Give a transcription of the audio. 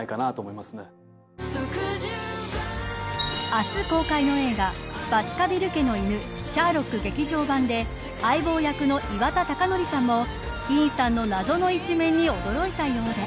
明日公開の映画バスカヴィル家の犬シャーロック劇場版で相棒役の岩田剛典さんもディーンさんの謎の一面に驚いたようで。